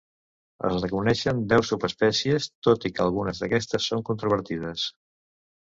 Es reconeixen deu subespècies, tot i que algunes d'aquestes són controvertides.